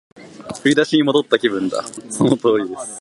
振り出しに戻った気分だ